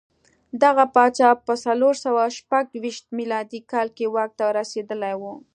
دغه پاچا په څلور سوه شپږ ویشت میلادي کال کې واک ته رسېدلی و.